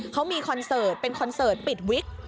เขามีคอนเสิร์ตเป็นคอนเสิร์ตปิดวิก